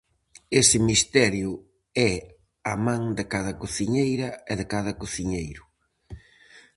Ese misterio é a "man" de cada cociñeira e de cada cociñeiro.